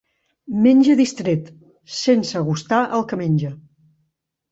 Menja distret, sense gustar el que menja.